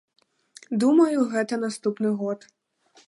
Думаю, гэта наступны год.